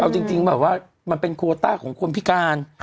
เอาจริงว่ามันเป็นโควตาร์ของคนพิการ